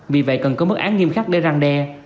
vì vậy cần có mức án nghiêm khắc để răng đe